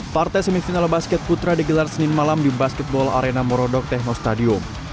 partai semifinal basket putra digelar senin malam di basketball arena morodok techno stadium